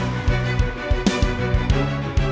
bisa gak sih